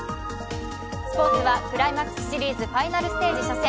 スポーツはクライマックスシリーズ・ファイナルステージ初戦。